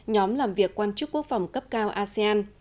nhóm làm việc quan chức quốc phòng cấp cao asean